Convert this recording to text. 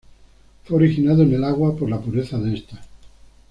Fue originado en el agua, por la pureza de estas.